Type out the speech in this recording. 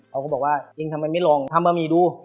เขาก็บอกว่าจริงทำไมไม่ลองทำบะหมี่ดู